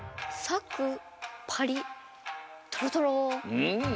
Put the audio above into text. うん！